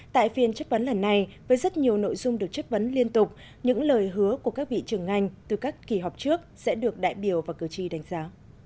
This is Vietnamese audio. tại phiên chất vấn lần này với rất nhiều nội dung được chất vấn liên tục những lời hứa của các vị trưởng ngành từ các kỳ họp trước sẽ được đại biểu và cử tri đánh giá